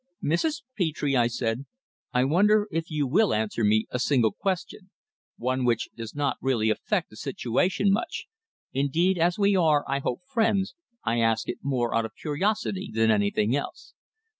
"Mrs. Petre," I said, "I wonder if you will answer me a single question, one which does not really affect the situation much. Indeed, as we are, I hope, friends, I ask it more out of curiosity than anything else."